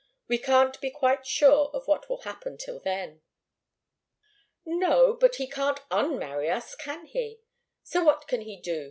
We can't be quite sure of what will happen till then." "No but he can't unmarry us, can he? So what can he do?